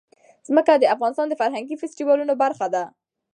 ځمکه د افغانستان د فرهنګي فستیوالونو برخه ده.